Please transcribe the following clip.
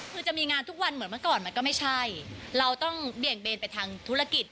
คือจะมีงานทุกวันเหมือนเมื่อก่อนมันก็ไม่ใช่เราต้องเบี่ยงเบนไปทางธุรกิจ